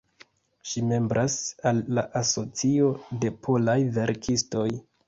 Ŝi membras al la Asocio de Polaj Verkistoj.